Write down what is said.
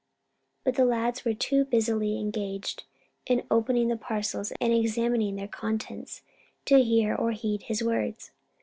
But the lads were too busily engaged in opening the parcels and examining their contents, to hear or heed his words.